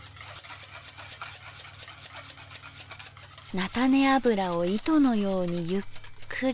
菜種油を糸のようにゆっくりゆっくり。